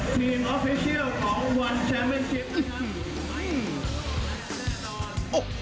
ทีมออฟฟิเชียลของวันแชมป์เมนต์ชิปนะครับ